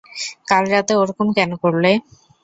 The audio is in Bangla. কাল রাতে ওরকম কেন করলে?